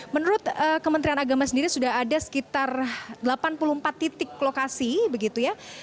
menurut kementerian agama sendiri sudah ada sekitar delapan puluh empat titik lokasi begitu ya